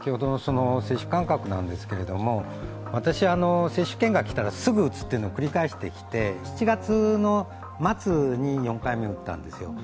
接種間隔なんですけれども、私、接種券が来たらすぐ打つというのを繰り返してきて、７月の末に４回目打ったんですよ。